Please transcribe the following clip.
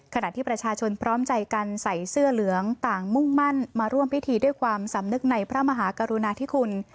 ขณะที่ประชาชนพร้อมใจกันใส่เสื้อเหลืองต่างมุ่งมั่นมาร่วมพิธีด้วยความสำนึกในพระมหากรุณาธิคุณ